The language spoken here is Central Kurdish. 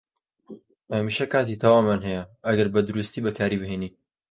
هەمیشە کاتی تەواومان هەیە ئەگەر بەدروستی بەکاری بهێنین.